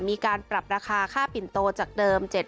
มีการปรับราคาค่าปิ่นโตจากเดิม